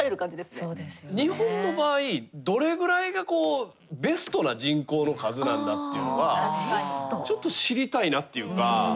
日本の場合どれぐらいがベストな人口の数なんだっていうのはちょっと知りたいなっていうか。